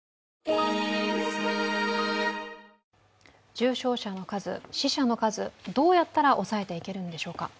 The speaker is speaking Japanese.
重症者の数、死者の数、どうやったら抑えていけるんでしょうか。